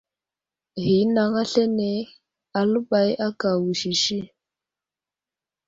Ghinaŋ aslane aləbay aka wusisi.